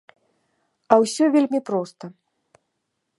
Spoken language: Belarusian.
А ўсё вельмі проста.